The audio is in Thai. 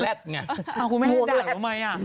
หัวข้างมันให้แล่ดละไหม